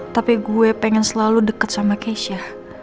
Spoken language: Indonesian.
tapi gue pengen selalu dekat sama keisha